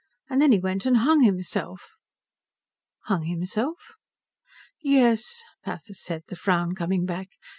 And then he went and hung himself." "Hung himself?" "Yes," Pathis said, the frown coming back.